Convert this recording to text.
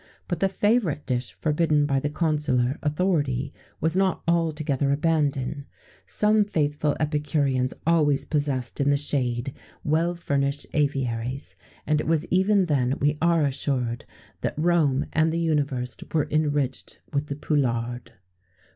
But the favourite dish forbidden by the consular authority was not altogether abandoned: some faithful epicureans always possessed in the shade well furnished aviaries; and it was even then, we are assured, that Rome and the universe were enriched with the poularde.